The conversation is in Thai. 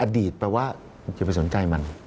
แปลว่าอย่าไปสนใจมัน